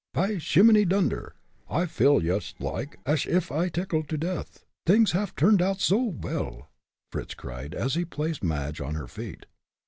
"By shimminy dunder, I feel yoost like ash if I vas tickled to death, t'ings haff turned oud so vell," Fritz cried, as he placed Madge on her feet.